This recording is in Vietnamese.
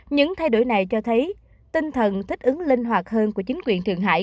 những thay đổi này cho thấy tinh thần thích ứng linh hoạt hơn của chính quyền thượng hải